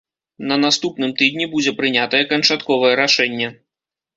На наступным тыдні будзе прынятае канчатковае рашэнне.